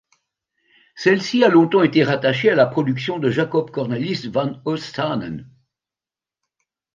Celle-ci a longtemps été rattachée à la production de Jacob Cornelisz van Oostsanen.